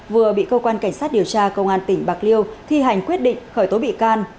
vừa bị cơ quan cảnh sát điều tra công an tỉnh bạc liêu thi hành quyết định khởi tố bị can